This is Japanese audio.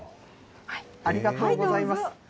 ありがとうございます。